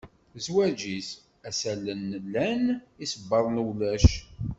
Zwaǧ-is, assalen llan, isebbaḍen ulac.